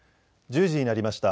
１０時になりました。